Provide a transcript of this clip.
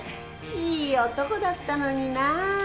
いい男だったのになあ。